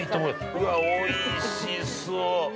うわっ、おいしそう。